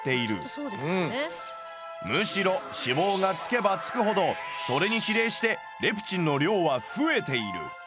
むしろ脂肪がつけばつくほどそれに比例してレプチンの量は増えている。